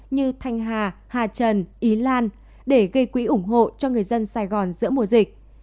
như thanh hà hà trần ý lan để gây quỹ ủng hộ cho người dân sài gòn giữa mùa dịch